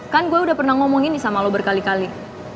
kan gue udah pernah ngomongin sama lo berkali kali